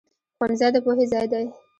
ښوونځی د پوهې ځای دی